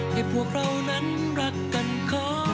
ให้พวกเรานั้นรักกันขอ